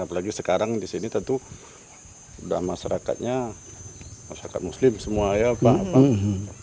apalagi sekarang di sini tentu sudah masyarakatnya masyarakat muslim semua ya pak